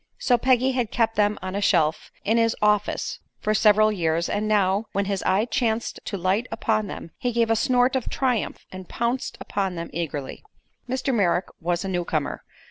So Peggy had kept them on a shelf in his "office" for several years, and now, when his eye chanced to light upon them, he gave a snort of triumph and pounced upon them eagerly. Mr. Merrick was a newcomer.